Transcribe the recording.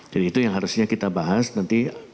jadi itu yang harusnya kita bahas nanti